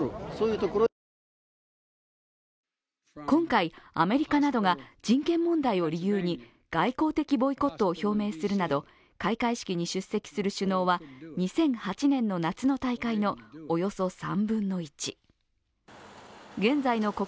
今回、アメリカなどが人権問題を理由に外交的ボイコットを表明するなど開会式に出席する首脳は２００８年の夏の大会のおよそ３分の１。